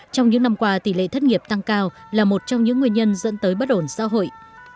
trong những năm qua tỷ lệ thất nghiệp tăng cao là một trong những nguyên nhân dẫn tới bất ổn xã hội